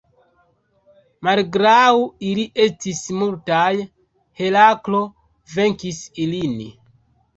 Malgraŭ ili estis multaj, Heraklo venkis ilin.